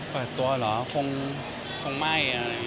คงไม่